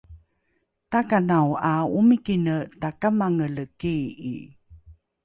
takanao ’a omikine takamangele kii’i